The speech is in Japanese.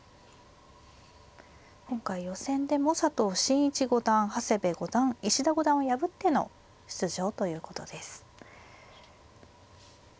今回予選でも佐藤慎一五段長谷部五段石田五段を破っての出場ということです。